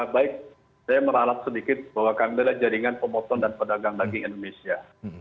baik saya meralat sedikit bahwa kami adalah jaringan pemoton dan pedagang daging indonesia